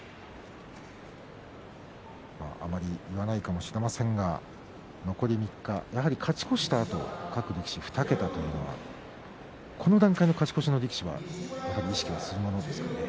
あまり言わないかもしれませんが残り３日、勝ち越したあと各力士２桁というのはこの段階で勝ち越しの力士はやはり意識するものですかね。